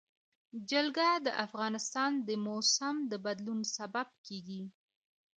جلګه د افغانستان د موسم د بدلون سبب کېږي.